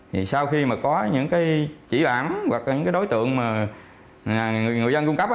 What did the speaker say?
thì sau khi mà có những cái chỉ bản hoặc là những cái đối tượng mà người dân cung cấp